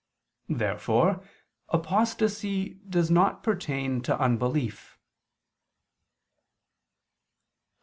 Therefore apostasy does not pertain to unbelief. Obj.